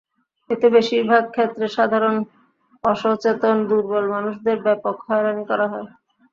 এতে বেশির ভাগ ক্ষেত্রে সাধারণ অসচেতন দুর্বল মানুষদের ব্যাপক হয়রানি করা হয়।